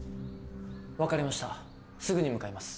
分かりましたすぐに向かいます